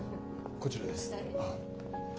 こちらです。